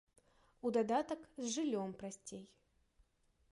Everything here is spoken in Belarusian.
У дадатак, з жыллём прасцей.